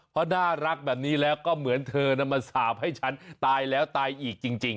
เพราะน่ารักแบบนี้แล้วก็เหมือนเธอนำมาสาบให้ฉันตายแล้วตายอีกจริง